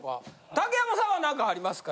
竹山さんは何かありますか？